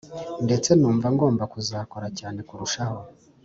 ndetse numva ngomba kuzakora cyane kurushaho,